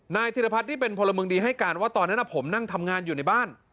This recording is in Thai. ธิรพัฒน์ที่เป็นพลเมืองดีให้การว่าตอนนั้นผมนั่งทำงานอยู่ในบ้าน